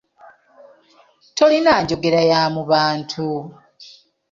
Tolina njoggera ya mu bantu.